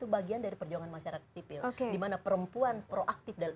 biation dari perjuangan masyarakat sipil dimana perempuan proaktif disitulah